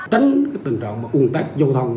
tránh tình trạng ung tách giao thông